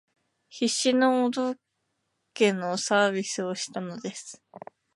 必死のお道化のサービスをしたのです